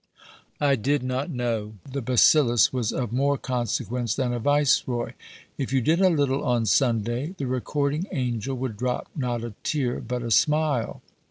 "I did not know the bacillus was of more consequence than a Viceroy." "If you did a little on Sunday, the Recording Angel would drop not a tear but a smile."